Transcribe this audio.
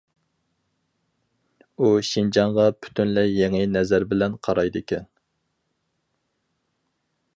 ئۇ شىنجاڭغا پۈتۈنلەي يېڭى نەزەر بىلەن قارايدىكەن.